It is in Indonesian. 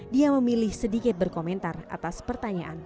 dia memilih sedikit berkomentar atas pertanyaan